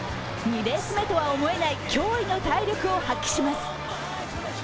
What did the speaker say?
２レース目とは思えない驚異の体力を発揮します。